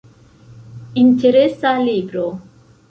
Interesa libro.